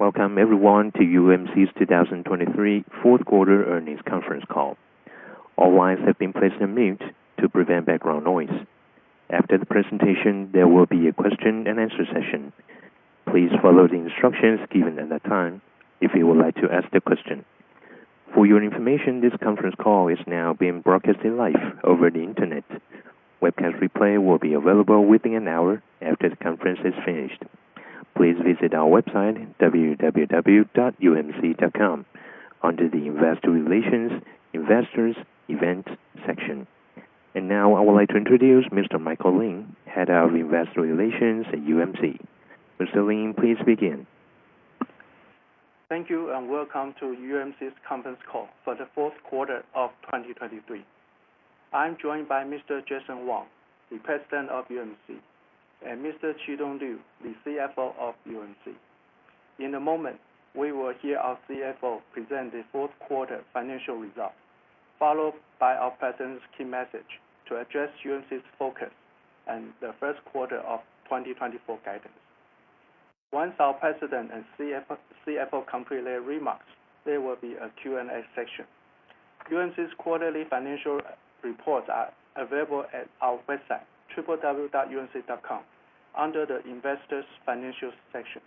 Welcome everyone to UMC's 2023 fourth quarter earnings conference call. All lines have been placed on mute to prevent background noise. After the presentation, there will be a question and answer session. Please follow the instructions given at that time if you would like to ask the question. For your information, this conference call is now being broadcasted live over the Internet. Webcast replay will be available within an hour after the conference is finished. Please visit our website, www.umc.com, under the Investor Relations, Investors, Events section. And now, I would like to introduce Mr. Michael Lin, Head of Investor Relations at UMC. Mr. Lin, please begin. Thank you, and welcome to UMC's conference call for the fourth quarter of 2023. I'm joined by Mr. Jason Wang, the President of UMC, and Mr. Chi-Tung Liu, the CFO of UMC. In a moment, we will hear our CFO present the fourth quarter financial results, followed by our president's key message to address UMC's focus and the first quarter of 2024 guidance. Once our President and CFO complete their remarks, there will be a Q&A session. UMC's quarterly financial reports are available at our website, www.umc.com, under the Investors Financial section.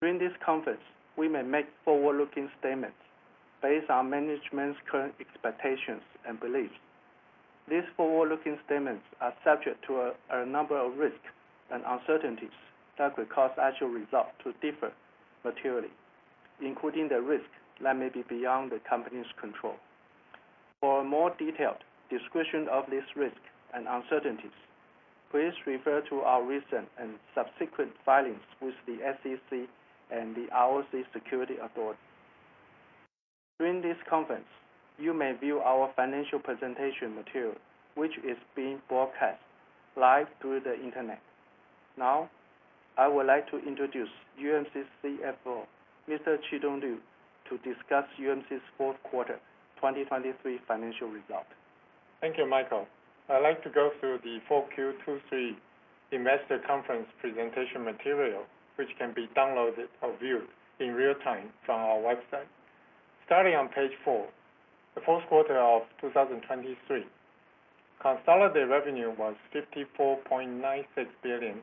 During this conference, we may make forward-looking statements based on management's current expectations and beliefs. These forward-looking statements are subject to a number of risks and uncertainties that could cause actual results to differ materially, including the risks that may be beyond the company's control. For a more detailed description of these risks and uncertainties, please refer to our recent and subsequent filings with the SEC and the ROC Security Authority. During this conference, you may view our financial presentation material, which is being broadcast live through the Internet. Now, I would like to introduce UMC's CFO, Mr. Chi-Tung Liu, to discuss UMC's fourth quarter 2023 financial results. Thank you, Michael. I'd like to go through the Q4 2023 investor conference presentation material, which can be downloaded or viewed in real time from our website. Starting on page 4, the fourth quarter of 2023, consolidated revenue was NT$ 54.96 billion,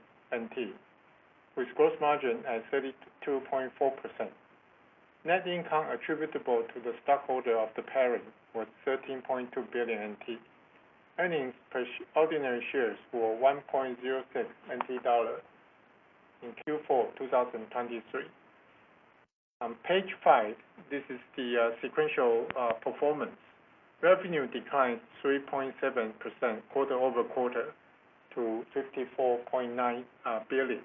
with gross margin at 32.4%. Net income attributable to the stockholder of the parent was NT$13.2 billion. Earnings per ordinary shares were NT$1.06 in Q4 2023. On page 5, this is the sequential performance. Revenue declined 3.7% quarter-over-quarter to NT$54.9 billion.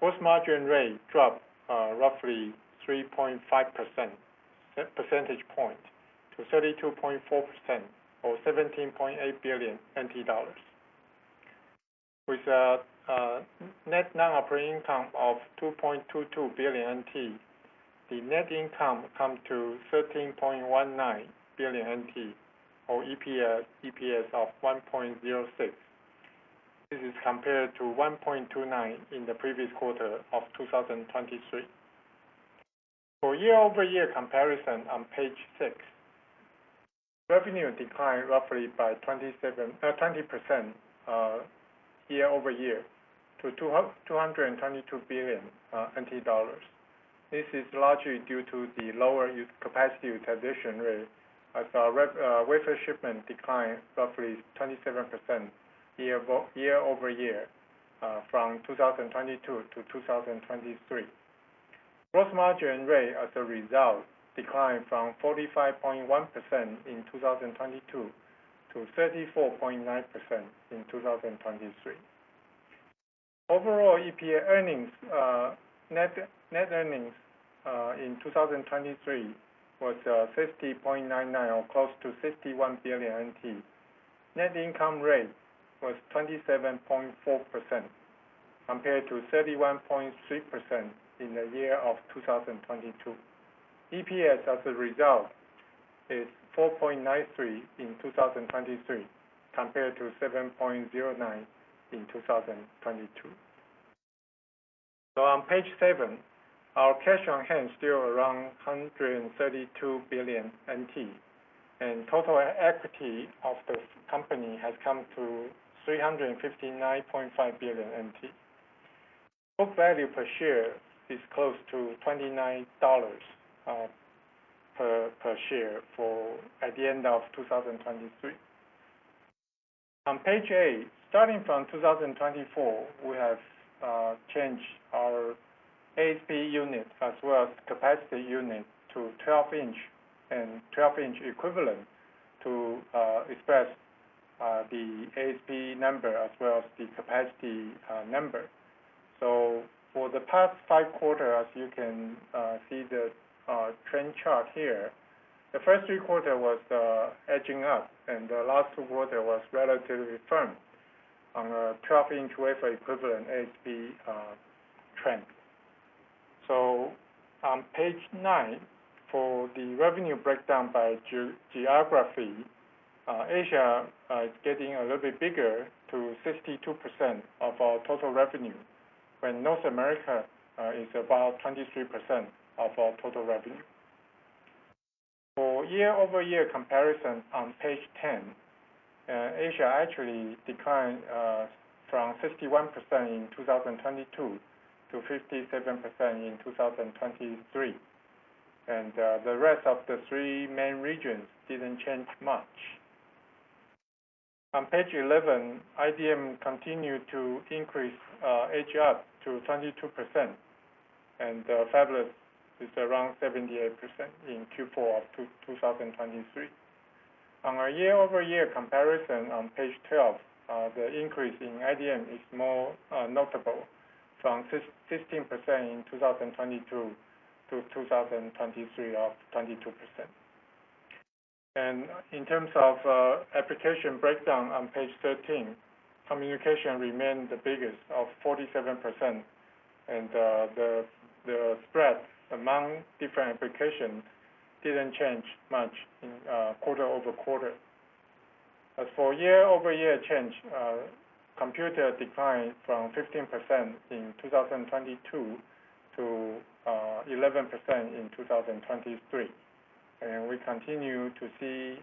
Gross margin rate dropped roughly 3.5 percentage points to 32.4% or NT$17.8 billion. With net non-operating income of NT$2.22 billion, the net income comes to NT$13.19 billion, or EPS of 1.06 This is compared to 1.29 in the previous quarter of 2023. For year-over-year comparison on page six, revenue declined roughly by 20% year-over-year to NT$222 billion. This is largely due to the lower capacity utilization rate, as our wafer shipment declined roughly 27% year-over-year from 2022 to 2023. Gross margin rate, as a result, declined from 45.1% in 2022 to 34.9% in 2023. Overall EPA earnings, net, net earnings, in 2023 was 50.99, or close to NT$51 billion. Net income rate was 27.4%, compared to 31.3% in the year of 2022. EPS, as a result, is 4.93 in 2023, compared to 7.09 in 2022. So on page seven, our cash on hand is still around NT$132 billion, and total equity of the company has come to NT$359.5 billion. Book value per share is close to NT$29, per, per share for... at the end of 2023. On page eight, starting from 2024, we have changed our ASP unit as well as capacity unit to 12-in, and 12-in, equivalent to express the ASP number as well as the capacity number. So for the past five quarters, you can see the trend chart here. The first three quarter was edging up, and the last quarter was relatively firm on the 12-in, wafer equivalent ASP trend. On page nine, for the revenue breakdown by geography, Asia is getting a little bit bigger to 52% of our total revenue, while North America is about 23% of our total revenue. For year-over-year comparison on page 10, Asia actually declined from 51% in 2022 to 57% in 2023. The rest of the three main regions didn't change much. On page 11, IDM continued to increase to 22%, and fabless is around 78% in Q4 of 2023. On our year-over-year comparison on page 12, the increase in IDM is more notable, from 15% in 2022 to 22% in 2023. And in terms of application breakdown on page 13, communication remained the biggest of 47%. And the spread among different applications didn't change much quarter-over-quarter. As for year-over-year change, computer declined from 15% in 2022 to 11% in 2023. And we continue to see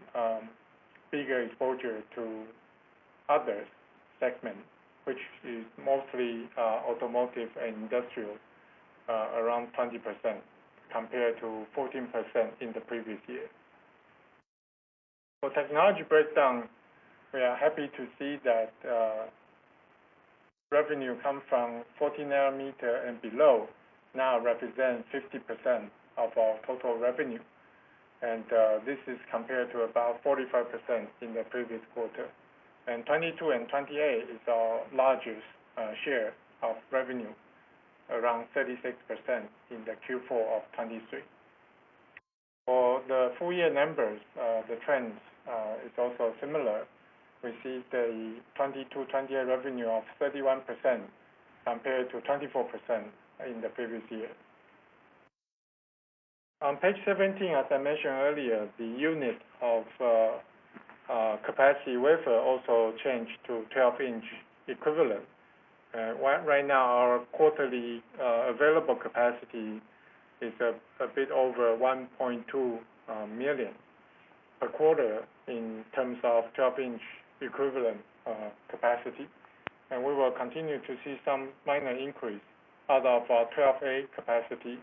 bigger exposure to other segments, which is mostly automotive and industrial, around 20% compared to 14% in the previous year. For technology breakdown, we are happy to see that revenue come from 14 nm, and below now represent 50% of our total revenue, and this is compared to about 45% in the previous quarter. And 22- and 28- is our largest share of revenue, around 36% in the Q4 of 2023. For the full year numbers, the trends is also similar. We see the 22-28 revenue of 31%, compared to 24% in the previous year. On page 17, as I mentioned earlier, the unit of capacity wafer also changed to 12 in equivalent. Right now, our quarterly available capacity is a bit over 1.2 million per quarter in terms of 12in, equivalent capacity. And we will continue to see some minor increase out of our 12A capacity,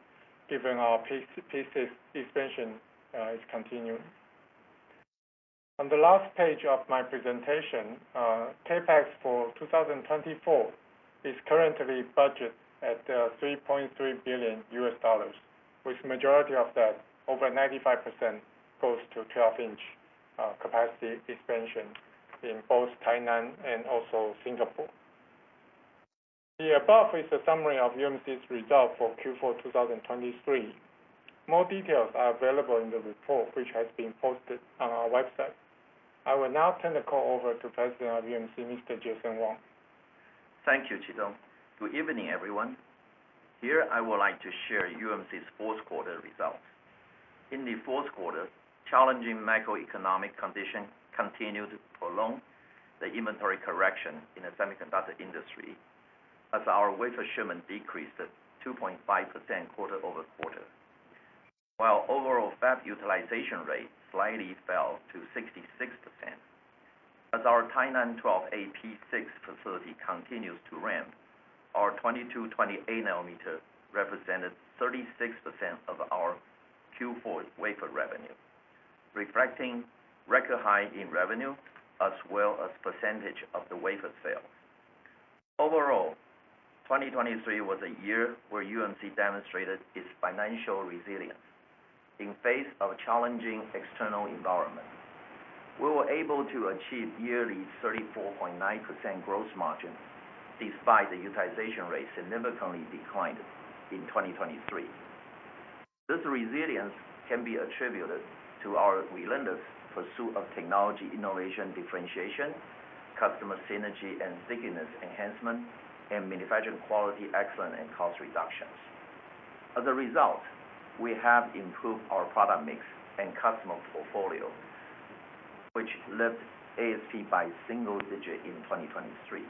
given our P6 expansion is continuing. On the last page of my presentation, CapEx for 2024 is currently budgeted at $3.3 billion, which majority of that, over 95%, goes to 12 in, capacity expansion in both Tainan and also Singapore. The above is a summary of UMC's results for Q4 2023. More details are available in the report, which has been posted on our website. I will now turn the call over to President of UMC, Mr. Jason Wang. Thank you, Chi-Tung Good evening, everyone. Here, I would like to share UMC's fourth quarter results. In the fourth quarter, challenging macroeconomic conditions continued to prolong the inventory correction in the semiconductor industry, as our wafer shipment decreased at 2.5% quarter-over-quarter. While overall fab utilization rate slightly fell to 66%, as our Tainan 12A P6 facility continues to ramp, our 22-28 nm, represented 36% of our Q4 wafer revenue, reflecting record high in revenue, as well as percentage of the wafer sales. Overall, 2023 was a year where UMC demonstrated its financial resilience. In face of challenging external environment we were able to achieve yearly 34.9% gross margin, despite the utilization rate significantly declined in 2023. This resilience can be attributed to our relentless pursuit of technology innovation, differentiation, customer synergy and stickiness enhancement, and manufacturing quality, excellence, and cost reductions. As a result, we have improved our product mix and customer portfolio, which lifted ASP by single-digit in 2023.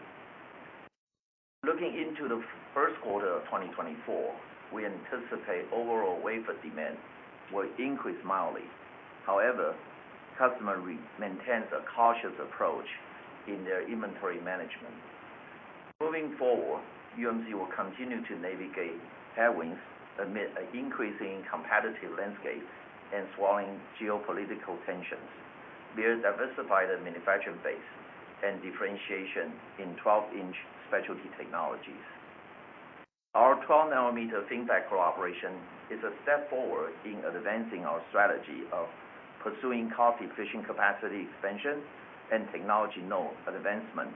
Looking into the first quarter of 2024, we anticipate overall wafer demand will increase mildly. However, customers remain cautious in their inventory management. Moving forward, UMC will continue to navigate headwinds amid an increasing competitive landscape and swirling geopolitical tensions. We'll diversify the manufacturing base and differentiation in 12 in, specialty technologies. Our 12 nm FinFET cooperation is a step forward in advancing our strategy of pursuing cost-efficient capacity expansion and technology node advancement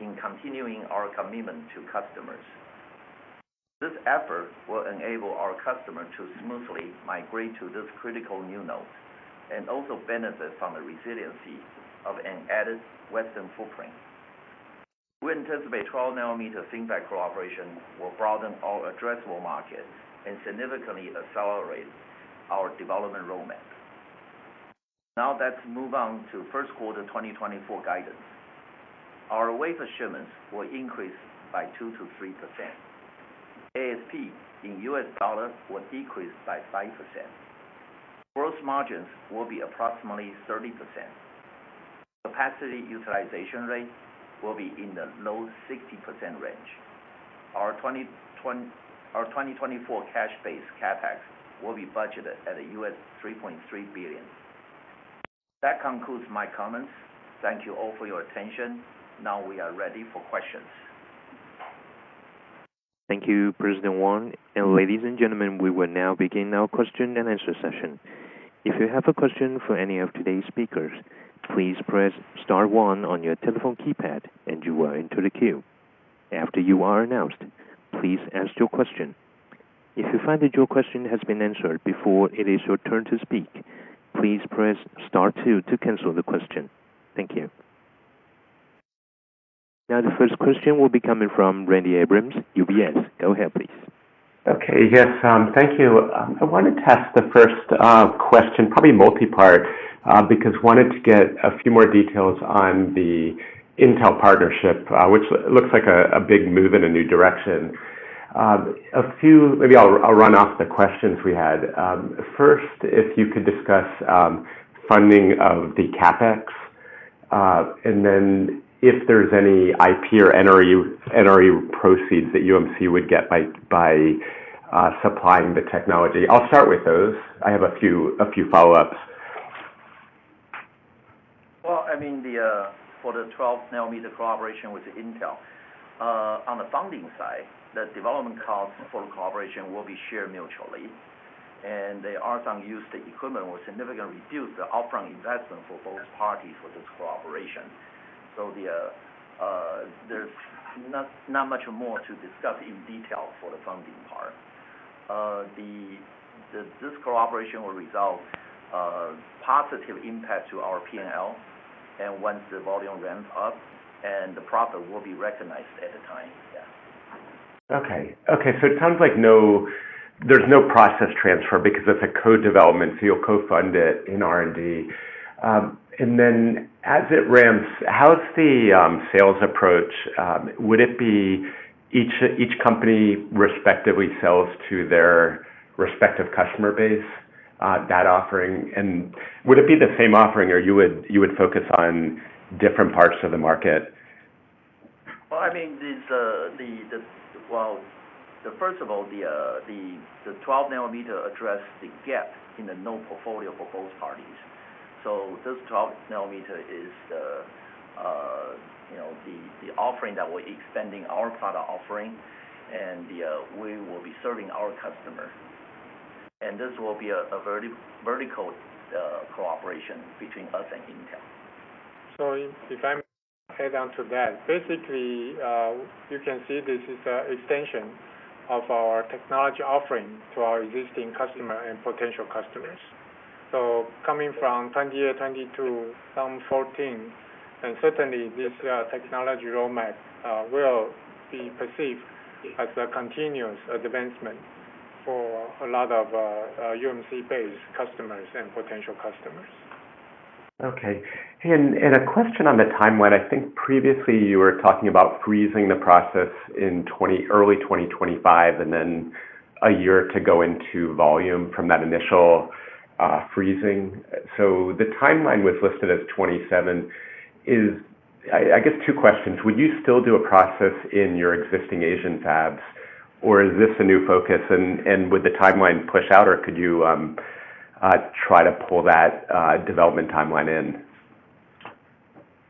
in continuing our commitment to customers. This effort will enable our customer to smoothly migrate to this critical new node, and also benefit from the resiliency of an added Western footprint. We anticipate 12 nm FinFET cooperation will broaden our addressable market and significantly accelerate our development roadmap. Now, let's move on to first quarter 2024 guidance. Our wafer shipments will increase by 2%-3%. ASP in US dollars will decrease by 5%. Gross margins will be approximately 30%. Capacity utilization rate will be in the low 60% range. Our 2024 cash-based CapEx will be budgeted at $3.3 billion. That concludes my comments. Thank you all for your attention. Now we are ready for questions. Thank you, President Wang. Ladies and gentlemen, we will now begin our question and answer session. If you have a question for any of today's speakers, please press star one on your telephone keypad and you are into the queue. After you are announced, please ask your question. If you find that your question has been answered before it is your turn to speak, please press star two to cancel the question. Thank you. Now the first question will be coming from Randy Abrams, UBS. Go ahead, please. Okay. Yes, thank you. I want to ask the first question, probably multipart, because wanted to get a few more details on the Intel partnership, which looks like a big move in a new direction. A few... Maybe I'll run off the questions we had. First, if you could discuss funding of the CapEx, and then if there's any IP or NRE proceeds that UMC would get by supplying the technology. I'll start with those. I have a few follow-ups. Well, I mean, for the 12 nm collaboration with Intel, on the funding side, the development costs for the collaboration will be shared mutually, and the use of existing equipment will significantly reduce the upfront investment for both parties for this collaboration. So, there's not much more to discuss in detail for the funding part. This collaboration will result positive impact to our P&L and once the volume ramps up, and the profit will be recognized at the time. Yeah. Okay. Okay, so it sounds like no, there's no process transfer because it's a co-development, so you'll co-fund it in R&D. And then as it ramps, how's the sales approach? Would it be each, each company respectively sells to their respective customer base, that offering? And would it be the same offering, or you would, you would focus on different parts of the market? Well, I mean, this, the, well, first of all, the 12 nm addresses the gap in the node portfolio for both parties. So this 12 nm is the, you know, the offering that will expanding our product offering and we will be serving our customers. And this will be a vertical cooperation between us and Intel. So if I may head on to that, basically, you can see this is an extension of our technology offering to our existing customer and potential customers. So coming from 28, 22, some 14, and certainly this, technology roadmap, will be perceived as a continuous advancement for a lot of, UMC-based customers and potential customers. Okay. And a question on the timeline. I think previously you were talking about freezing the process in 20, early 2025 and then a year to go into volume from that initial freezing. So the timeline was listed as 2027. I guess two questions: Would you still do a process in your existing Asian fabs, or is this a new focus, and would the timeline push out, or could you try to pull that development timeline in?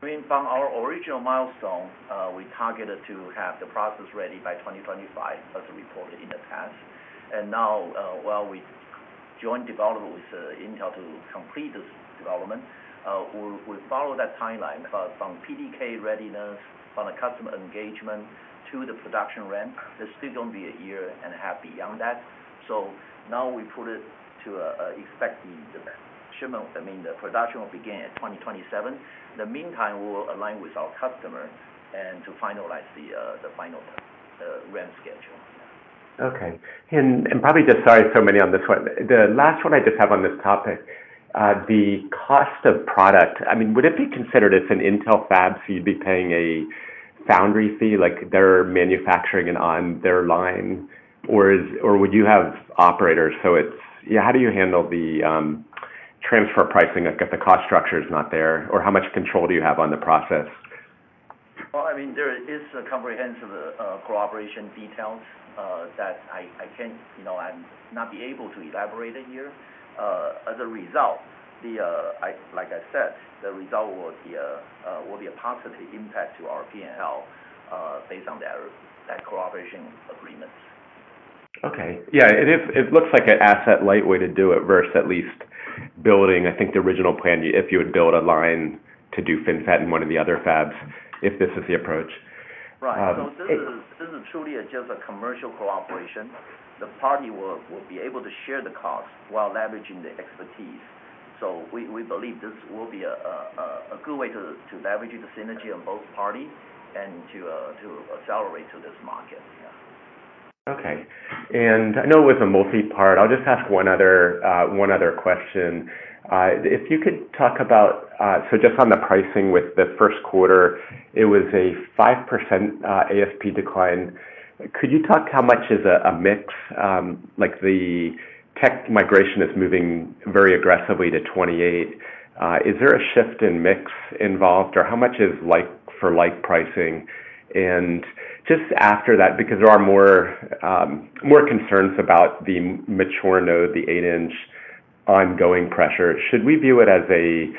I mean, from our original milestone, we targeted to have the process ready by 2025, as reported in the past. And now, while we join development with Intel to complete this development, we'll, we'll follow that timeline. But from PDK readiness, from the customer engagement to the production ramp, there's still going to be a year and a half beyond that. So now we put it to, expecting the shipment, I mean, the production will begin in 2027. In the meantime, we will align with our customer and to finalize the, the final, ramp schedule. Okay. And probably just... Sorry, so many on this one. The last one I just have on this topic, the cost of product. I mean, would it be considered it's an Intel fab, so you'd be paying a foundry fee, like they're manufacturing it on their line, or would you have operators, so it's... Yeah, how do you handle the transfer pricing? Like, if the cost structure is not there, or how much control do you have on the process? Well, I mean, there is a comprehensive, cooperation details, that I, I can't, you know, I'm not be able to elaborate it here. As a result, the, I, like I said, the result will be a, will be a positive impact to our P&L, based on the, that cooperation agreement. Okay. Yeah, it is, it looks like an asset-light way to do it versus at least building, I think, the original plan, if you would build a line to do FinFET in one of the other fabs, if this is the approach. Right. Um- So this is truly just a commercial cooperation. The party will be able to share the cost while leveraging the expertise... So we believe this will be a good way to leverage the synergy on both party and to accelerate to this market. Yeah. Okay. And I know it was a multi-part. I'll just ask one other, one other question. If you could talk about, so just on the pricing with the first quarter, it was a 5% ASP decline. Could you talk how much is a, a mix? Like the tech migration is moving very aggressively to 28%. Is there a shift in mix involved, or how much is like, for like, pricing? And just after that, because there are more, more concerns about the mature node, the 8 in, ongoing pressure, should we view it as a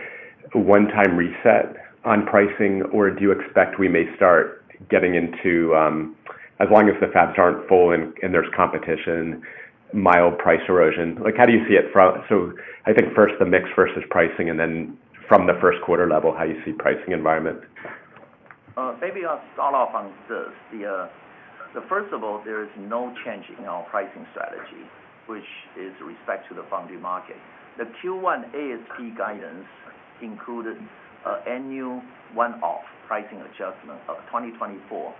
one-time reset on pricing, or do you expect we may start getting into, as long as the fabs aren't full and, and there's competition, mild price erosion? Like, how do you see it from— So, I think first, the mix versus pricing, and then from the first quarter level, how you see pricing environment Maybe I'll start off on this. The first of all, there is no change in our pricing strategy, which is with respect to the foundry market. The Q1 ASP guidance included an annual one-off pricing adjustment of 2024,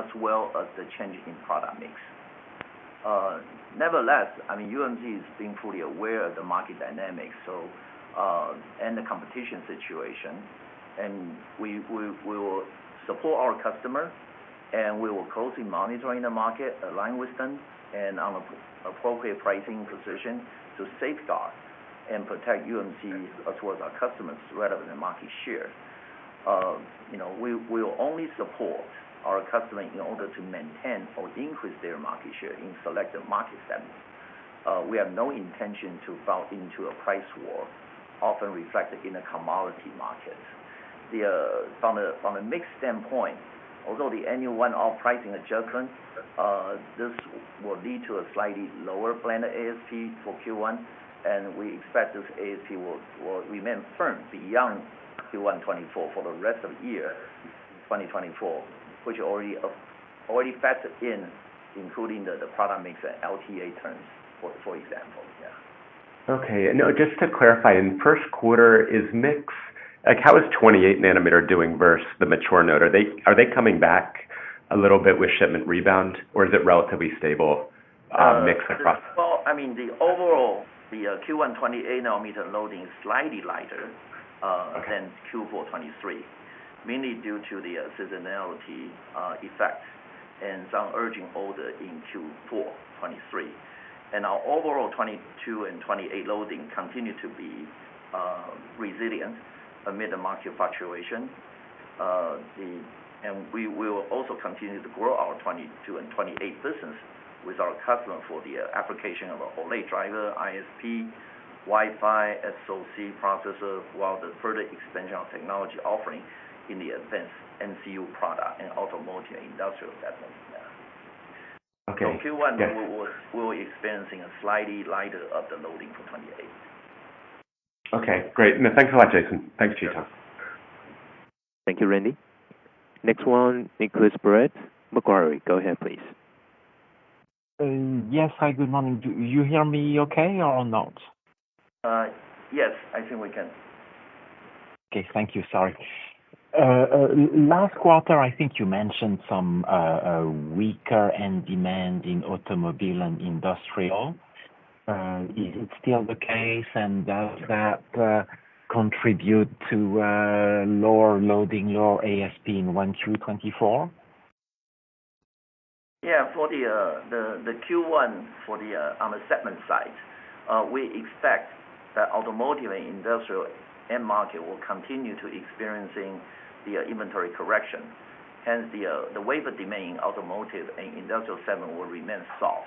as well as the change in product mix. Nevertheless, I mean, UMC is being fully aware of the market dynamics, so, and the competition situation, and we will support our customer, and we will closely monitor in the market, align with them, and on an appropriate pricing position to safeguard and protect UMC as well as our customers rather than market share. You know, we will only support our customer in order to maintain or increase their market share in selected market segments. We have no intention to fall into a price war, often reflected in a commodity market. From a mix standpoint, although the annual one-off pricing adjustment, this will lead to a slightly lower planned ASP for Q1, and we expect this ASP will remain firm beyond Q1 2024 for the rest of year, 2024, which already factored in, including the product mix LTA terms, for example. Yeah. Okay. And now, just to clarify, in first quarter, is mix—like, how is 28 nm, doing versus the mature node? Are they, are they coming back a little bit with shipment rebound, or is it relatively stable, mix across? Well, I mean, the overall Q1 28 nm, loading is slightly lighter. Okay. - than Q4 2023, mainly due to the seasonality, effect and some urgent order in Q4 2023. Our overall 22 and 28 loading continue to be, resilient amid the market fluctuation. And we will also continue to grow our 22 and 28 business with our customer for the application of OLED driver, ISP, Wi-Fi, SoC processor, while the further expansion of technology offering in the advanced MCU product and automotive industrial segment. Yeah. Okay. Q1, we'll be experiencing a slightly lighter loading for 28. Okay, great. No, thanks a lot, Jason. Thanks for your time. Thank you, Randy. Next one, Nicolas Baratte, Macquarie. Go ahead, please. Yes. Hi, good morning. Do you hear me okay or not? Yes, I think we can. Okay. Thank you. Sorry. Last quarter, I think you mentioned some weaker end demand in automobile and industrial. Is it still the case, and does that contribute to lower loading, lower ASP in 1Q 2024? Yeah, for the Q1, on the segment side, we expect that automotive and industrial end market will continue to experiencing the inventory correction. Hence, the wafer demand in automotive and industrial segment will remain soft.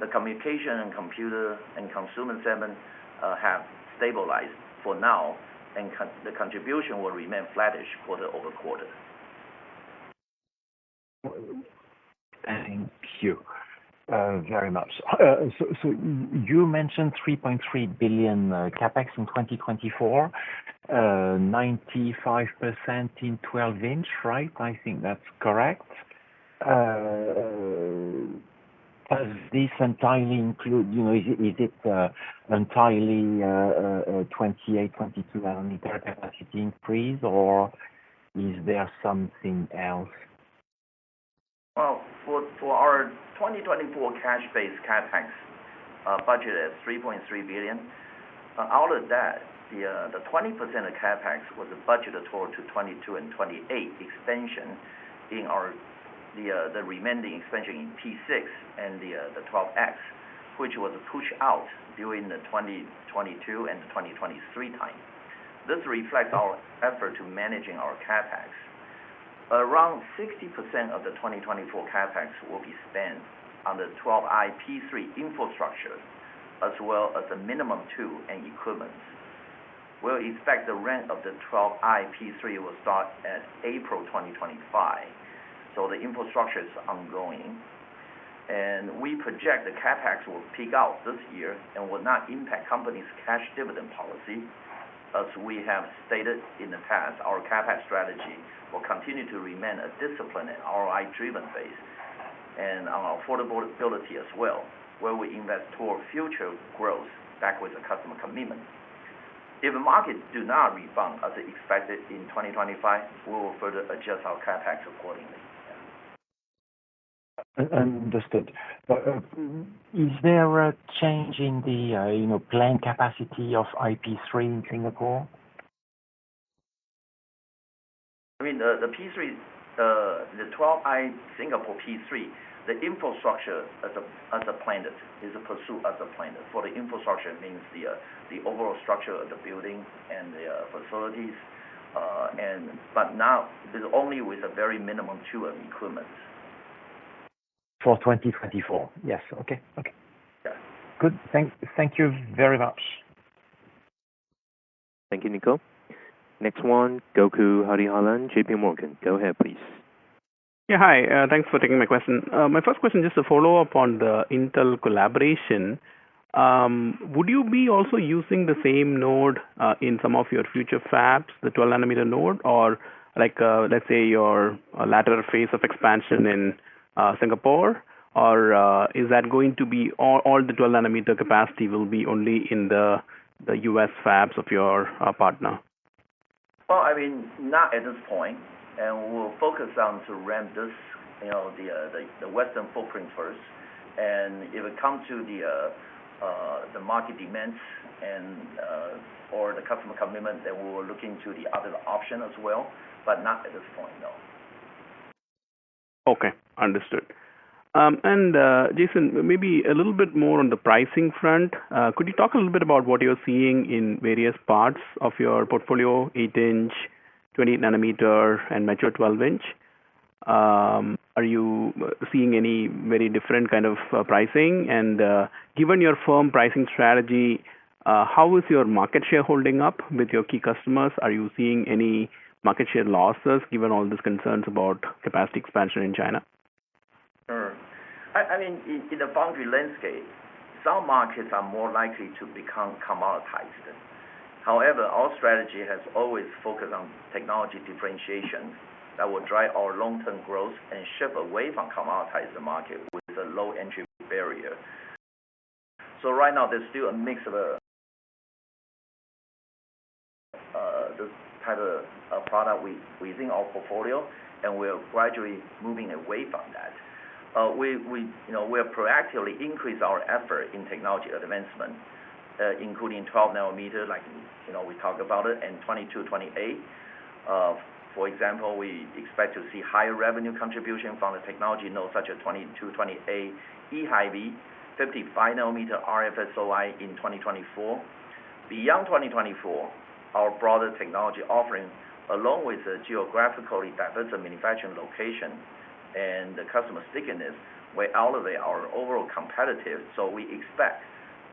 The communication and computer and consumer segment have stabilized for now, and the contribution will remain flattish quarter-over-quarter. Thank you, very much. So, you mentioned $3.3 billion CapEx in 2024, 95% in 12 in, right? I think that's correct. Does this entirely include, you know, is it 28, 22 nm, capacity increase, or is there something else? Well, for our 2024 cash-based CapEx budgeted at $3.3 billion. Out of that, the 20% of CapEx was budgeted toward 22- and 28- nm, expansion in our, the remaining expansion in P6 and the 12 in, which was pushed out during the 2022 and 2023 time. This reflects our effort to managing our CapEx. Around 60% of the 2024 CapEx will be spent on the 12i P3 infrastructure, as well as a minimum 28- nm, equipment. We'll expect the ramp of the 12i P3 will start at April 2025, so the infrastructure is ongoing. And we project the CapEx will peak out this year and will not impact company's cash dividend policy. As we have stated in the past, our CapEx strategy will continue to remain a disciplined and ROI-driven phase, and our affordability as well, where we invest toward future growth back with the customer commitment. If the market do not rebound as expected in 2025, we will further adjust our CapEx accordingly. Understood. But, is there a change in the, you know, planned capacity of IP3 in Singapore? I mean, the P3, the 12 in, Singapore P3, the infrastructure as a plant, is a pursuit as a plant. For the infrastructure, it means the overall structure of the building and the facilities. But now it's only with a very minimum tool improvements. For 2024. Yes. Okay. Okay. Yeah. Good. Thank you very much. Thank you, Nico. Next one, Gokul Hariharan, JPMorgan. Go ahead, please. Yeah, hi. Thanks for taking my question. My first question, just to follow up on the Intel collaboration. Would you be also using the same node in some of your future fabs, the 12 nm node, or like, let's say, your latter phase of expansion in Singapore? Or is that going to be all the 12 nm capacity will be only in the U.S. fabs of your partner? Well, I mean, not at this point, and we'll focus on to ramp this, you know, the western footprint first. And if it come to the market demands and or the customer commitment, then we will look into the other option as well, but not at this point, though. Okay, understood. And, Jason, maybe a little bit more on the pricing front. Could you talk a little bit about what you're seeing in various parts of your portfolio, 8 in, 20 nm, and mature 12 in? Are you seeing any very different kind of pricing? And, given your firm pricing strategy, how is your market share holding up with your key customers? Are you seeing any market share losses, given all these concerns about capacity expansion in China? Sure. I mean, in the foundry landscape, some markets are more likely to become commoditized. However, our strategy has always focused on technology differentiation that will drive our long-term growth and shift away from commoditized market with a low entry barrier. So right now, there's still a mix of, the kind of a product we, we see in our portfolio, and we are gradually moving away from that. We, you know, we have proactively increased our effort in technology advancement, including 12 nm like, you know, we talked about it, and 22, 28. For example, we expect to see higher revenue contribution from the technology nodes such as 22, 28, EHV, 55 nm, RFSOI in 2024. Beyond 2024, our broader technology offerings, along with the geographically diverse manufacturing location and the customer stickiness, will elevate our overall competitive. So we expect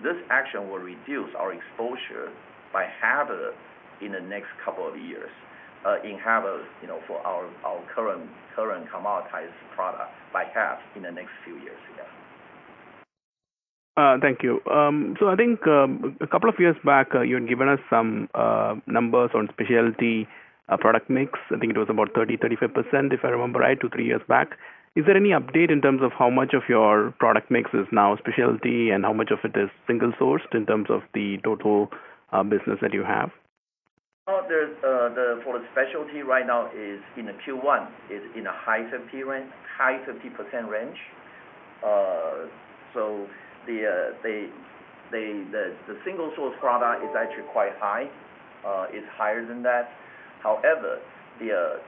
this action will reduce our exposure by half in the next couple of years. In half, you know, for our current commoditized product, by half in the next few years. Yeah. Thank you. So I think, a couple of years back, you had given us some numbers on specialty product mix. I think it was about 30%-35%, if I remember right, two to three years back. Is there any update in terms of how much of your product mix is now specialty and how much of it is single sourced in terms of the total business that you have? Well, there's for the specialty right now is in the Q1, is in a high 50 range, high 50% range. So the single source product is actually quite high, is higher than that. However,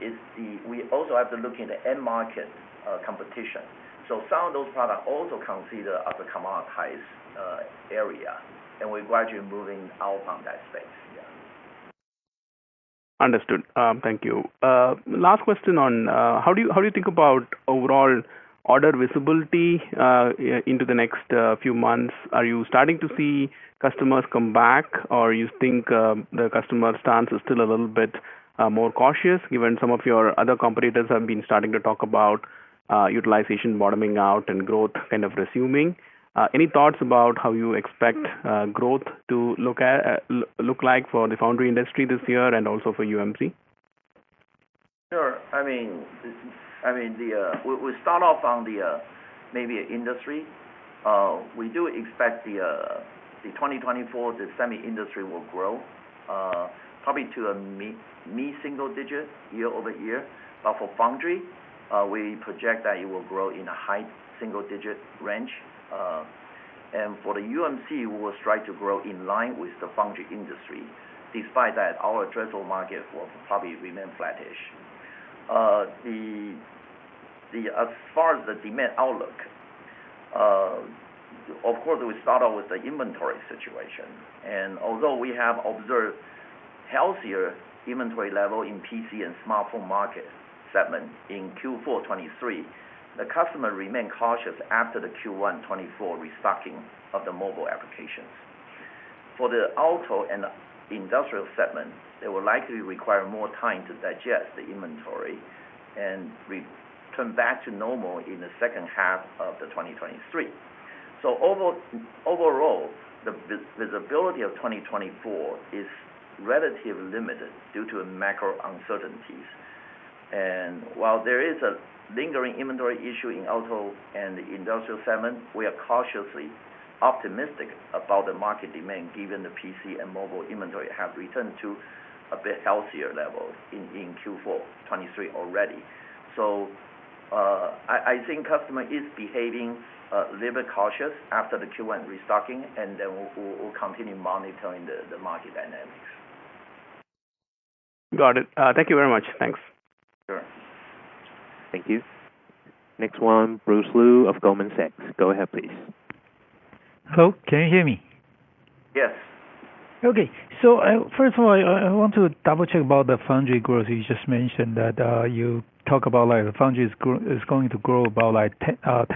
is the... We also have to look in the end market competition. So some of those products also consider as a commoditized area, and we're gradually moving out on that space. Yeah. Understood. Thank you. Last question on how do you think about overall order visibility into the next few months? Are you starting to see customers come back, or you think the customer stance is still a little bit more cautious, given some of your other competitors have been starting to talk about utilization bottoming out and growth kind of resuming? Any thoughts about how you expect growth to look like for the foundry industry this year and also for UMC? Sure. I mean, we start off on the maybe industry. We do expect the 2024, the semi industry will grow, probably to a mid-single digit year-over-year. But for foundry, we project that it will grow in a high single digit range. And for the UMC, we will strive to grow in line with the foundry industry, despite that our addressable market will probably remain flattish. As far as the demand outlook, of course, we start out with the inventory situation, and although we have observed healthier inventory level in PC and smartphone market segment in Q4 2023, the customer remained cautious after the Q1 2024 restocking of the mobile applications. For the auto and industrial segment, they will likely require more time to digest the inventory and return back to normal in the second half of 2023. So overall, the visibility of 2024 is relatively limited due to macro uncertainties. And while there is a lingering inventory issue in auto and industrial segment, we are cautiously optimistic about the market demand, given the PC and mobile inventory have returned to a bit healthier levels in Q4 2023 already. So, I think customer is behaving little bit cautious after the Q1 restocking, and then we'll continue monitoring the market dynamics. Got it. Thank you very much. Thanks. Sure. Thank you. Next one, Bruce Lu of Goldman Sachs. Go ahead, please. Hello, can you hear me? Yes. Okay. So, first of all, I want to double check about the foundry growth. You just mentioned that you talk about, like, the foundry is going to grow about like 10%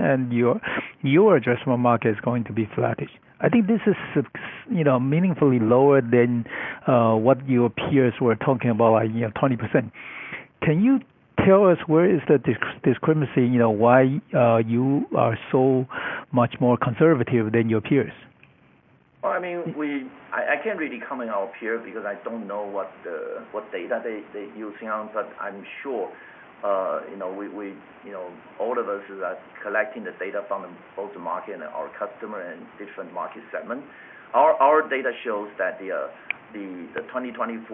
and your addressable market is going to be flattish. I think this is such, you know, meaningfully lower than what your peers were talking about, like, you know, 20%. Can you tell us where is the discrepancy, you know, why you are so much more conservative than your peers? Well, I mean, I can't really comment on our peer, because I don't know what data they're using, but I'm sure, you know, we, we, you know, all of us are collecting the data from both the market and our customer and different market segments. Our data shows that the 2024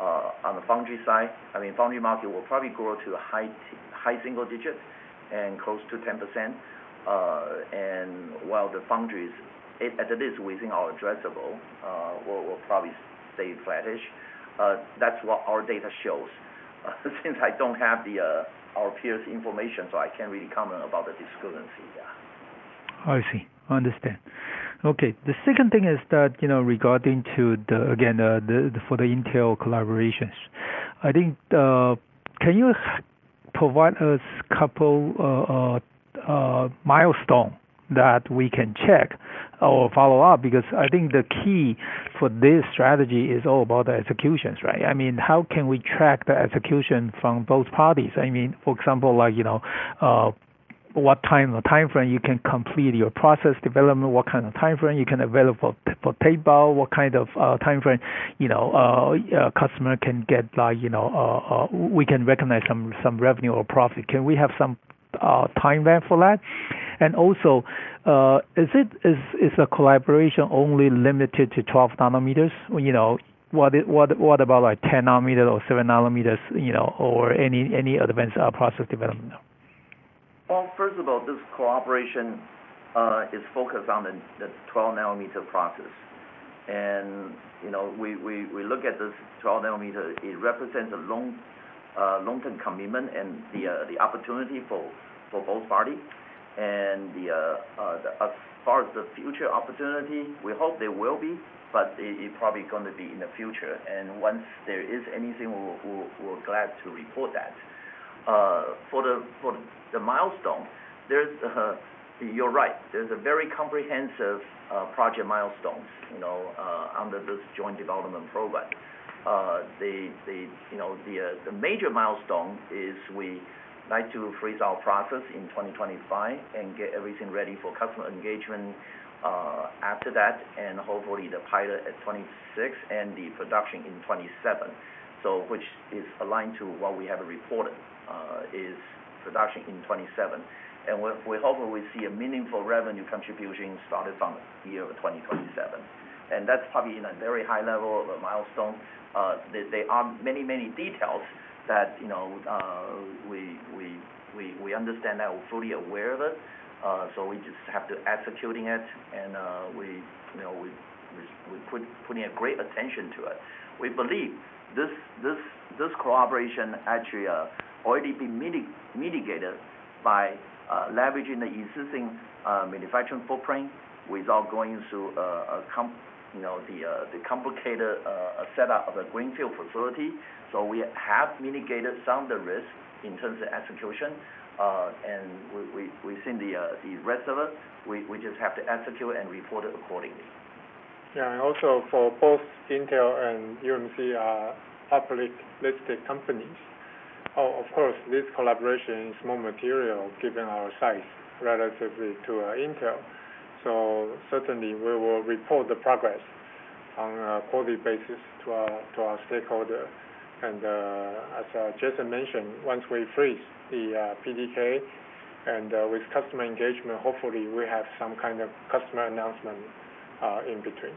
on the foundry side, I mean, foundry market will probably grow to a high single digits and close to 10%. And while the foundries, as it is, within our addressable will probably stay flattish. That's what our data shows. Since I don't have our peers information, so I can't really comment about the discrepancy. Yeah. I see. Understand. Okay. The second thing is that, you know, regarding to the, again, for the Intel collaborations, I think, can you provide us couple milestone that we can check or follow up? Because I think the key for this strategy is all about the executions, right? I mean, how can we track the execution from both parties? I mean, for example, like, you know, what time or timeframe you can complete your process development? What kind of timeframe you can available for tape out? What kind of timeframe, you know, customer can get by, you know, we can recognize some revenue or profit. Can we have some timeline for that? And also, is the collaboration only limited to 12 nanometers? You know, what about like 10 nm or 7 nm you know,, or any other advance our process development? Well, first of all, this cooperation is focused on the 12 nm process. And, you know, we look at this 12 nm it represents a long-term commitment and the opportunity for both parties. And as far as the future opportunity, we hope there will be, but it probably going to be in the future. And once there is anything, we'll glad to report that. For the milestone, there's, you're right, there's a very comprehensive project milestones, you know, under this joint development program. The major milestone is we like to freeze our process in 2025 and get everything ready for customer engagement after that, and hopefully the pilot at 2026 and the production in 2027. So which is aligned to what we have reported, is production in 2027. And we hope we see a meaningful revenue contribution started from the year of 2027. And that's probably in a very high level of a milestone. There are many, many details that, you know, we understand that we're fully aware of it, so we just have to executing it, and, you know, we putting a great attention to it. We believe this cooperation actually already been mitigated by leveraging the existing manufacturing footprint without going through. You know, the complicated setup of a greenfield facility. So we have mitigated some of the risk in terms of execution, and we've seen the rest of it. We just have to execute and report it accordingly. Yeah, and also for both Intel and UMC are publicly listed companies. Of course, this collaboration is more material given our size relative to Intel. So certainly we will report the progress on a quarterly basis to our stakeholder. And as Jason mentioned, once we freeze the PDK and with customer engagement, hopefully we have some kind of customer announcement in between.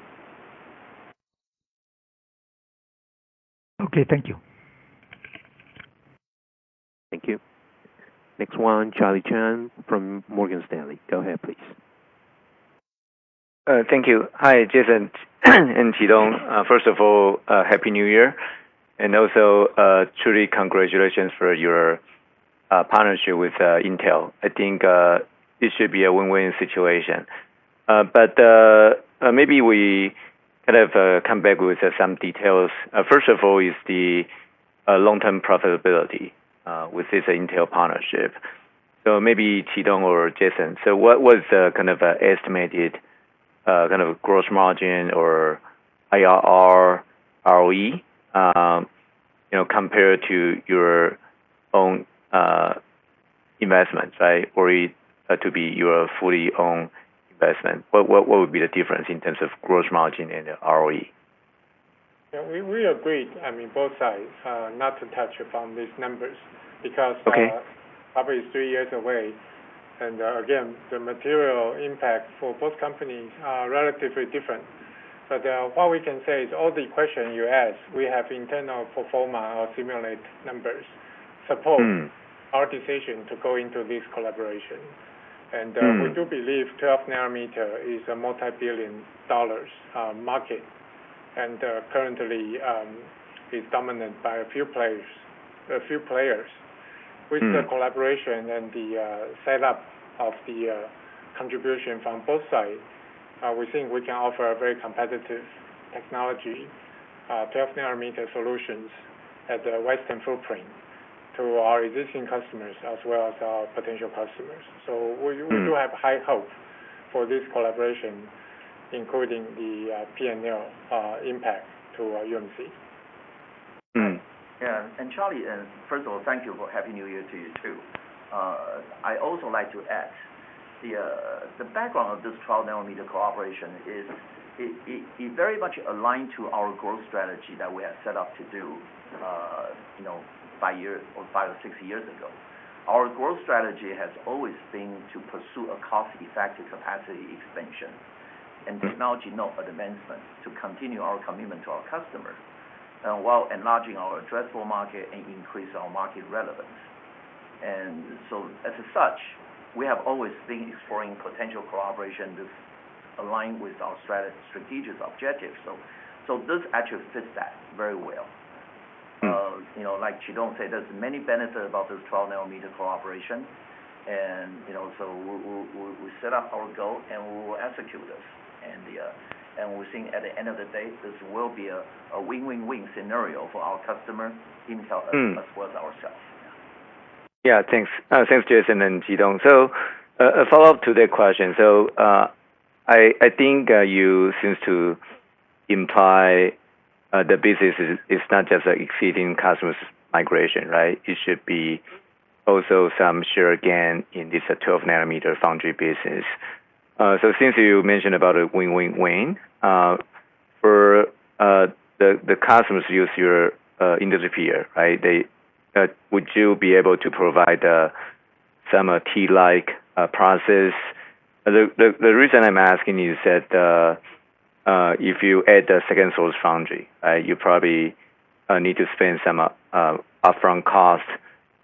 Okay. Thank you. Thank you. Next one, Charlie Chan from Morgan Stanley. Go ahead, please. Thank you. Hi, Jason, and Chi-Tung. First of all, happy New Year and also truly congratulations for your partnership with Intel. I think this should be a win-win situation. But maybe we kind of come back with some details. First of all, is the long-term profitability with this Intel partnership. So maybe Chi-Tung or Jason, so what was the kind of estimated kind of gross margin or IRR, ROE, you know, compared to your own investments, right? Or it to be your fully owned investment. What would be the difference in terms of gross margin and ROE? Yeah, we agreed, I mean, both sides, not to touch upon these numbers because- Okay. Probably is three years away. And, again, the material impact for both companies are relatively different. But, what we can say is all the questions you ask, we have internal pro forma or simulate numbers, support- Mm. our decision to go into this collaboration. Mm. We do believe 12 nm, is a multi-billion-dollar market, and currently is dominant by a few players, a few players. Mm. With the collaboration and the setup of the contribution from both sides, we think we can offer a very competitive technology, 12 nm, solutions at the Western footprint to our existing customers, as well as our potential customers. So we, we- Mm... do have high hope for this collaboration, including the P&L impact to UMC. Mm. Yeah, Charlie, first of all, thank you for Happy New Year to you, too. I also like to add the background of this 12 nm cooperation is, it very much aligned to our growth strategy that we have set up to do, you know, 5 years or 5 or 6 years ago. Our growth strategy has always been to pursue a cost-effective capacity expansion and technology node advancement to continue our commitment to our customers while enlarging our addressable market and increase our market relevance. So as such, we have always been exploring potential cooperation that align with our strategic objectives. So this actually fits that very well. Mm. You know, like Chi-Tung say, there's many benefits about this 12 nm cooperation. And, you know, so we set up our goal, and we will execute this. And, we're seeing at the end of the day, this will be a win-win-win scenario for our customer, Intel- Mm... as well as ourselves. Yeah. Thanks, thanks, Jason and Chi-Tung. So, a follow-up to that question. So, I think you seems to imply the business is not just like exceeding customers migration, right? It should be also some share, again, in this 12 nm foundry business. So since you mentioned about a win, win, win for the customers use your industry peer, right? Would you be able to provide some key-like process? The reason I'm asking you is that if you add a second source foundry you probably need to spend some upfront cost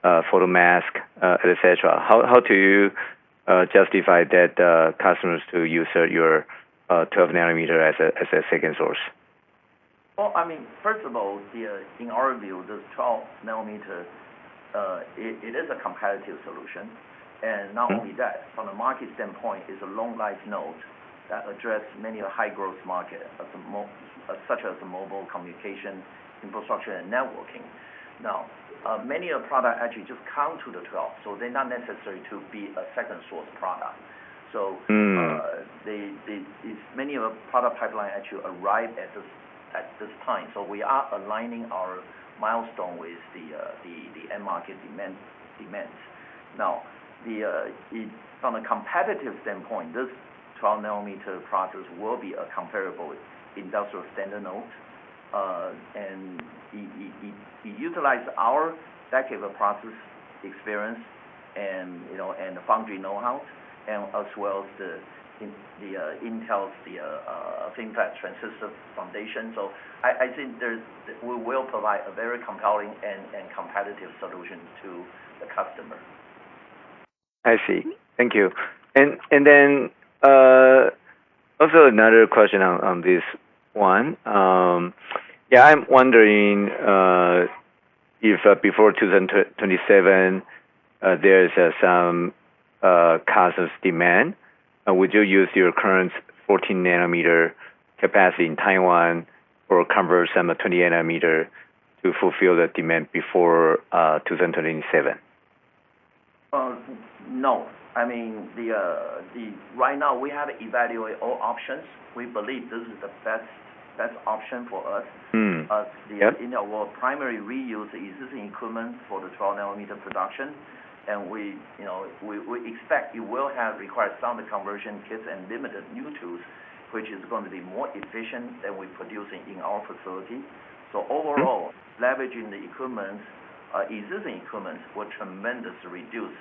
for the mask et cetera. How do you justify that customers to use your 12 nm as a second source? Well, I mean, first of all, in our view, this 12 nm, it is a competitive solution. Mm-hmm. And not only that, from a market standpoint, it's a long-life node that address many high-growth market, as more such as mobile communication, infrastructure, and networking. Now, many of product actually just come to the 12, so they're not necessary to be a second source product. Mm. So, many of the product pipeline actually arrive at this time. So we are aligning our milestone with the end market demand, demands. Now, from a competitive standpoint, this 12 nm products will be a comparable industry standard node. And it utilize our back-end process experience and, you know, and foundry know-how, and as well as Intel's FinFET transistor foundation. So I think there's, we will provide a very compelling and competitive solution to the customer. I see. Thank you. And then, also another question on this one. Yeah, I'm wondering if before 2027, there is some causes demand, would you use your current 14 nm, capacity in Taiwan or convert some of 20 nm, to fulfill the demand before 2027? No. I mean, right now we have evaluate all options. We believe this is the best option for us. Mm. Yep. In our primary reuse existing equipment for the 12 nm production, and we, you know, we expect it will have required some conversion kits and limited new tools, which is going to be more efficient than we producing in our facility. Mm. So overall, leveraging the equipment, existing equipment will tremendously reduce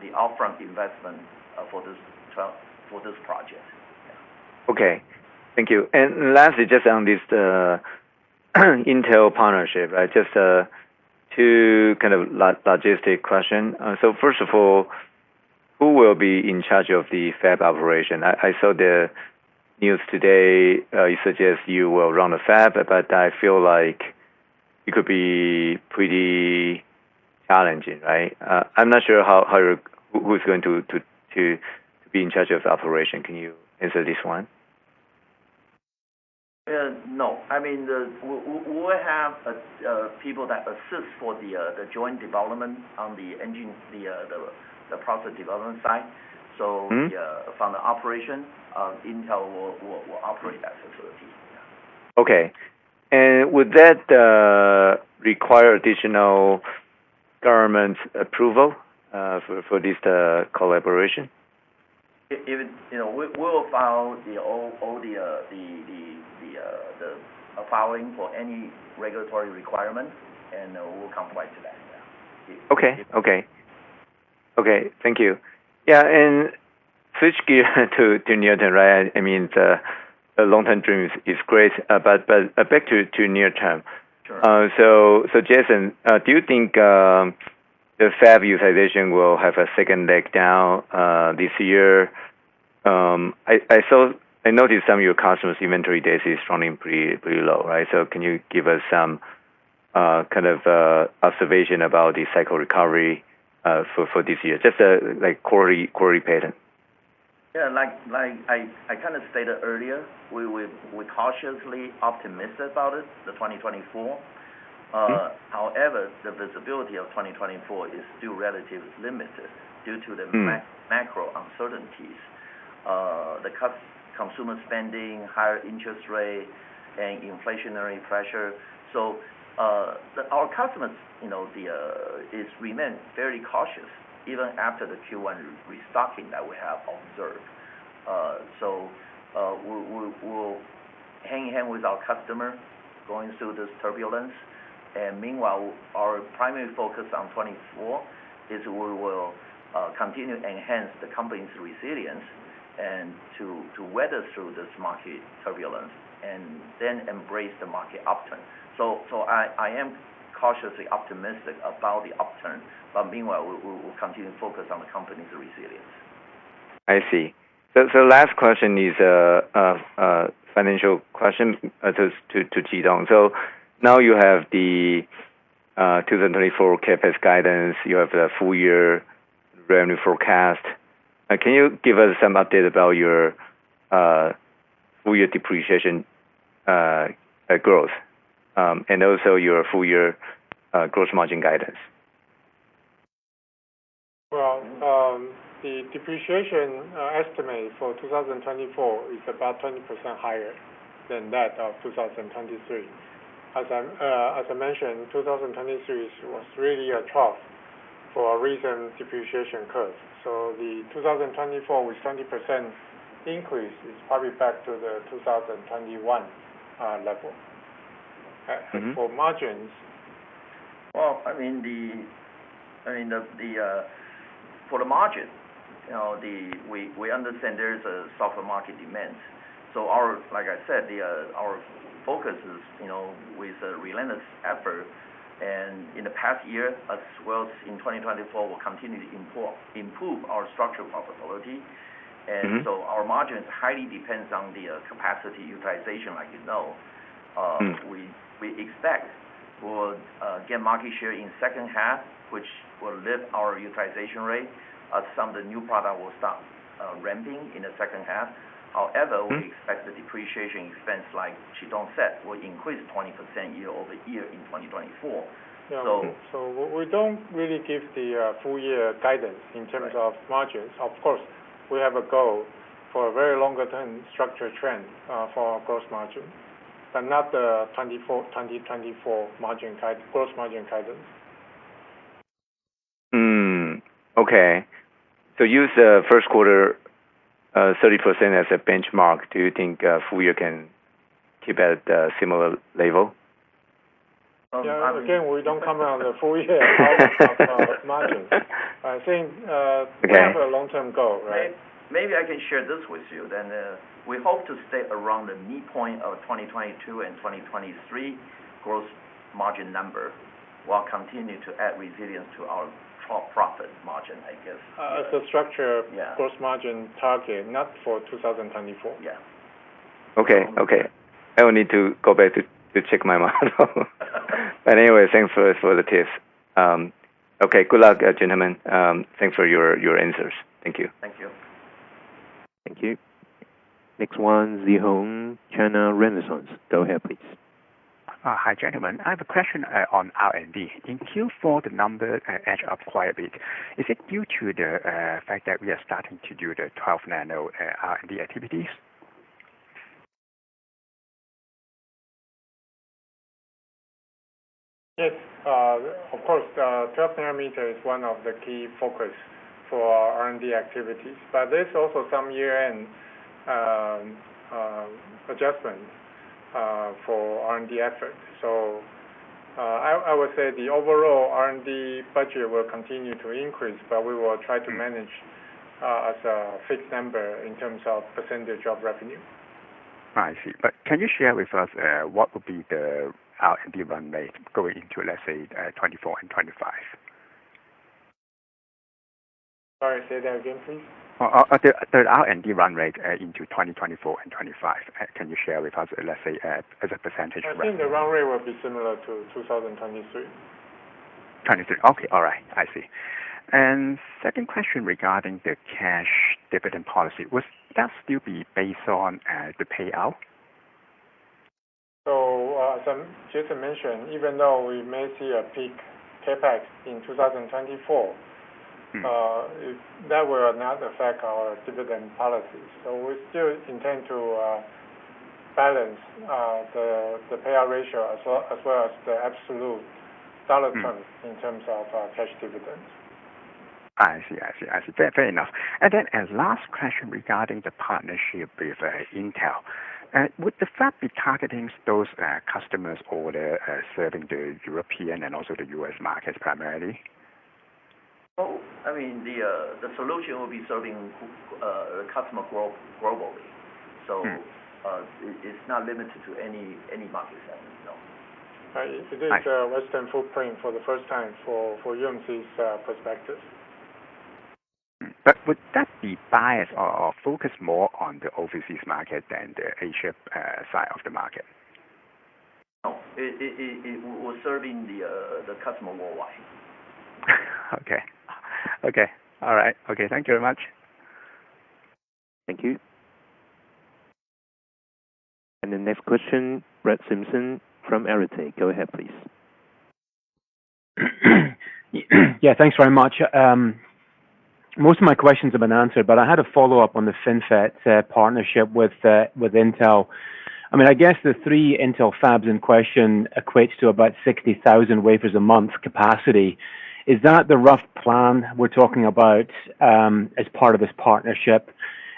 the upfront investment, for this 12, for this project. Okay. Thank you. And lastly, just on this, Intel partnership, right? Just, two kind of logistic question. So first of all, who will be in charge of the fab operation? I saw the news today, you suggest you will run a fab, but I feel like it could be pretty challenging, right? I'm not sure how you're, who's going to be in charge of the operation. Can you answer this one? ... No, I mean, we have people that assist for the joint development on the engine, the process development side. So- Mm-hmm. From the operation, Intel will operate that facility. Yeah. Okay. And would that require additional government approval for this collaboration? If you know, we'll follow all the filing for any regulatory requirements, and we'll comply to that. Yeah. Okay. Okay. Okay, thank you. Yeah, and switch gear to, to near term, right? I mean, the, the long-term dream is, is great, but, but back to, to near term. Sure. So, so Jason, do you think the fab utilization will have a second leg down this year? I, I saw... I noticed some of your customers' inventory days is running pretty, pretty low, right? So can you give us some kind of observation about the cycle recovery for, for this year? Just a, like, query, query pattern. Yeah, like I kind of stated earlier, we're cautiously optimistic about it, the 2024. Mm-hmm. However, the visibility of 2024 is still relatively limited due to the- Mm. Macro uncertainties. The consumer spending, higher interest rate and inflationary pressure. So, our customers, you know, they remain very cautious, even after the Q1 restocking that we have observed. So, we will go hand in hand with our customer, going through this turbulence. And meanwhile, our primary focus on 2024 is we will continue to enhance the company's resilience and to weather through this market turbulence, and then embrace the market upturn. So, I am cautiously optimistic about the upturn, but meanwhile, we will continue to focus on the company's resilience. I see. So last question is a financial question to Chi-Tung. So now you have the 2024 CapEx guidance, you have the full year revenue forecast. Can you give us some update about your full year depreciation growth, and also your full year gross margin guidance? Well, the depreciation estimate for 2024 is about 20% higher than that of 2023. As I mentioned, 2023 was really a trough for a recent depreciation curve. So the 2024, with 20% increase, is probably back to the 2021 level. Mm-hmm. And for margins- Well, I mean, for the margin, you know, we understand there's a softer market demand. So our, like I said, our focus is, you know, with a relentless effort, and in the past year, as well as in 2024, we'll continue to improve our structural profitability. Mm-hmm. Our margins highly depends on the capacity utilization, like you know. Mm. We expect we'll get market share in second half, which will lift our utilization rate as some of the new product will start ramping in the second half. Mm. However, we expect the depreciation expense, like Chi-Tung said, will increase 20% year-over-year in 2024. Yeah. So- We don't really give the full year guidance- Right. In terms of margins. Of course, we have a goal for a very longer term structure trend for our gross margin, but not the 24, 2024 margin guide, gross margin guidance. Hmm. Okay. Use the first quarter 30% as a benchmark. Do you think full year can keep at a similar level? Again, we don't comment on the full year margins. I think, Okay. We have a long-term goal, right? Maybe I can share this with you then, we hope to stay around the midpoint of 2022 and 2023 gross margin number, while continuing to add resilience to our top profit margin, I guess. As a structure- Yeah. -gross margin target, not for 2024. Yeah. Okay. Okay. I will need to go back to check my model. But anyway, thanks for the tips. Okay. Good luck, gentlemen. Thanks for your answers. Thank you. Thank you. Thank you. Next one, Szeho Ng, China Renaissance Go ahead please. Hi, gentlemen. I have a question on R&D. In Q4, the number edged up quite a bit. Is it due to the fact that we are starting to do the 12 nano R&D activities? Yes, of course, the 12 nm is one of the key focus for our R&D activities, but there's also some year-end adjustments for R&D efforts. So, I would say the overall R&D budget will continue to increase, but we will try to manage- Mm. as a fixed number in terms of % of revenue. I see. But can you share with us, what would be the R&D run rate going into, let's say, 2024 and 2025? Sorry, say that again, please. The R&D run rate into 2024 and 2025. Can you share with us, let's say, as a percentage run? I think the run rate will be similar to 2023.... 23. Okay. All right, I see. And second question regarding the cash dividend policy. Will that still be based on the payout? So, as I just mentioned, even though we may see a peak CapEx in 2024- Mm-hmm. That will not affect our dividend policy. So we still intend to balance the payout ratio as well as the absolute dollar terms. Mm-hmm. -in terms of, cash dividends. I see. I see. I see. Fair, fair enough. And then, and last question regarding the partnership with Intel. Would the fab be targeting those customers or the serving the European and also the U.S. markets primarily? Well, I mean, the solution will be serving the customer globe, globally. Mm-hmm. So, it's not limited to any market segment, no. Right. I- It is western footprint for the first time for UMC's perspective. But would that be biased or, or focused more on the overseas market than the Asia side of the market? No, it will serving the customer worldwide. Okay. Okay. All right. Okay, thank you very much. Thank you. The next question, Brett Simpson from Arete. Go ahead, please. Yeah, thanks very much. Most of my questions have been answered, but I had a follow-up on the FinFET partnership with Intel. I mean, I guess the three Intel fabs in question equates to about 60,000 wafers a month capacity. Is that the rough plan we're talking about, as part of this partnership?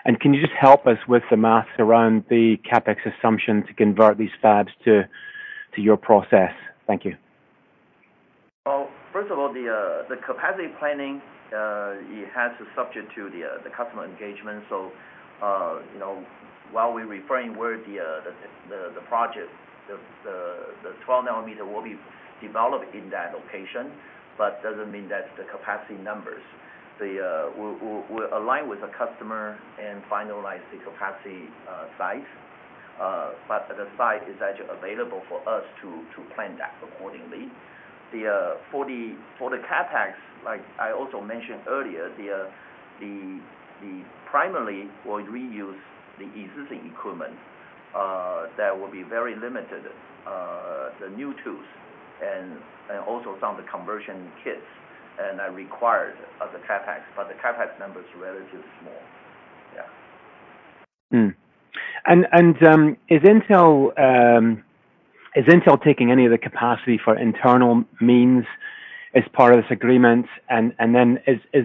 And can you just help us with the math around the CapEx assumption to convert these fabs to your process? Thank you. Well, first of all, the capacity planning is subject to the customer engagement. So, you know, while we reframe where the project, the 12 nm will be developed in that location, but that doesn't mean that the capacity numbers. We will align with the customer and finalize the capacity size, but the size is actually available for us to plan that accordingly. For the CapEx, like I also mentioned earlier, primarily we will reuse the existing equipment; that will be very limited. The new tools and also some of the conversion kits are required for the CapEx, but the CapEx number is relatively small. Yeah. Is Intel taking any of the capacity for internal means as part of this agreement? And then, does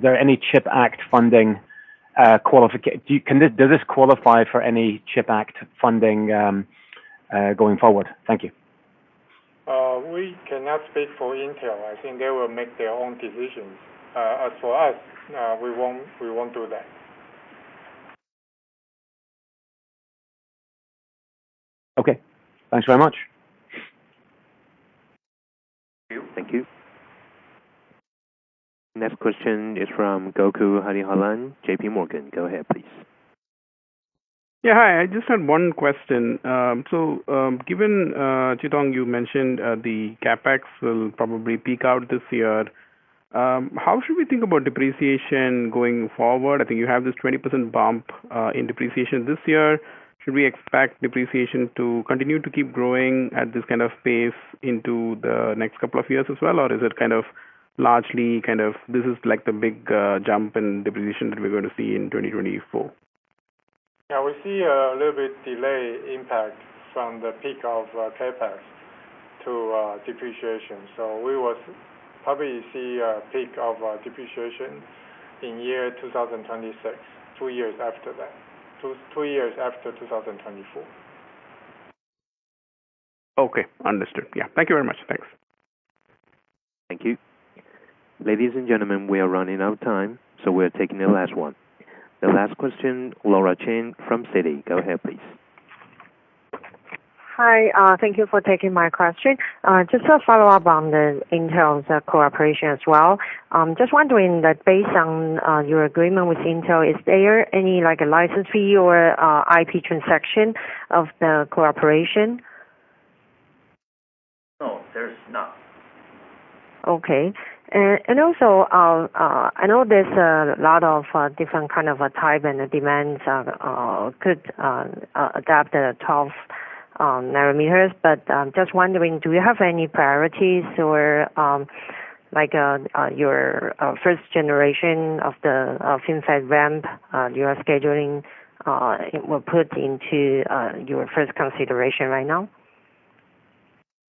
this qualify for any CHIPS Act funding going forward? Thank you. We cannot speak for Intel. I think they will make their own decisions. As for us, we won't, we won't do that. Okay. Thanks very much. Thank you. Thank you. Next question is from Gokul Hariharan, JP Morgan. Go ahead, please. Yeah, hi, I just had one question. So, given, Chi-Tung, you mentioned, the CapEx will probably peak out this year. How should we think about depreciation going forward? I think you have this 20% bump, in depreciation this year. Should we expect depreciation to continue to keep growing at this kind of pace into the next couple of years as well? Or is it kind of largely, kind of this is like the big, jump in depreciation that we're going to see in 2024? Yeah, we see a little bit delay impact from the peak of CapEx to depreciation. So we will probably see a peak of depreciation in year 2026, two years after that. Two years after 2024. Okay, understood. Yeah. Thank you very much. Thanks. Thank you. Ladies and gentlemen, we are running out of time, so we're taking the last one. The last question, Laura Chen from Citi. Go ahead, please. Hi, thank you for taking my question. Just a follow-up on the Intel's cooperation as well. Just wondering that based on your agreement with Intel, is there any like a license fee or IP transaction of the cooperation? No, there's not. Okay. And also, I know there's a lot of different kind of type and demands of could adapt the 12 nanometers. But just wondering, do you have any priorities or like your first generation of the inside ramp you are scheduling it will put into your first consideration right now?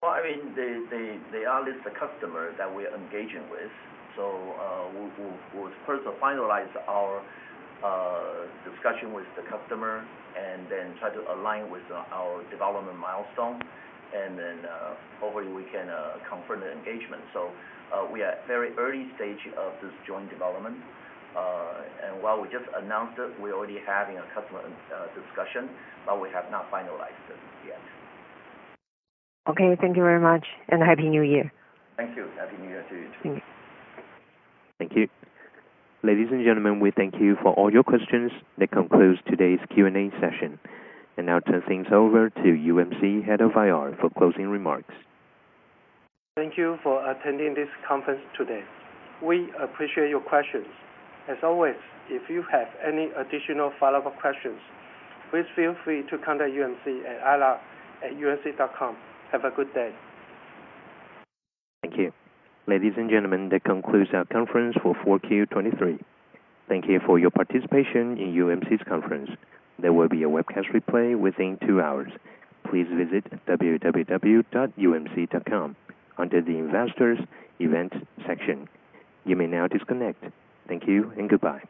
Well, I mean, they are listed the customer that we're engaging with. So, we'll first finalize our discussion with the customer and then try to align with our development milestone, and then hopefully we can confirm the engagement. So, we are at very early stage of this joint development. And while we just announced it, we're already having a customer discussion, but we have not finalized it yet. Okay, thank you very much. Happy New Year. Thank you. Happy New Year to you, too. Thank you. Thank you. Ladies and gentlemen, we thank you for all your questions. That concludes today's Q&A session. And now turn things over to UMC Head of IR for closing remarks. Thank you for attending this conference today. We appreciate your questions. As always, if you have any additional follow-up questions, please feel free to contact UMC at ir@umc.com. Have a good day. Thank you. Ladies and gentlemen, that concludes our conference for Q4 2023. Thank you for your participation in UMC's conference. There will be a webcast replay within 2 hours. Please visit www.umc.com under the Investors, Events section. You may now disconnect. Thank you and goodbye.